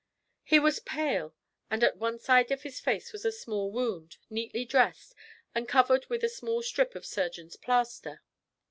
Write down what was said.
'He was pale, and at one side of his face was a small wound, neatly dressed, and covered with a small strip of surgeon's plaster.